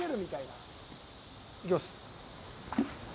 いきます。